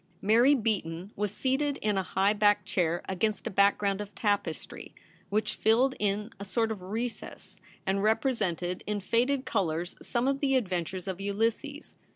Mary Beaton was seated in a high backed chair against a background of tapestry, which filled in a sort of recess, and represented in faded colours some of the adventures of Ulysses.